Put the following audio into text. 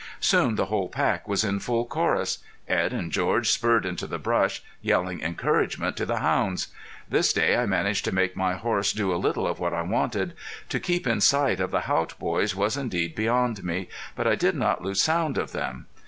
Soon the whole pack was in full chorus. Edd and George spurred into the brush, yelling encouragement to the hounds. This day I managed to make my horse do a little of what I wanted. To keep in sight of the Haught boys was indeed beyond me; but I did not lose sound of them.